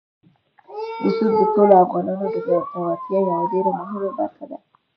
رسوب د ټولو افغانانو د ګټورتیا یوه ډېره مهمه برخه ده.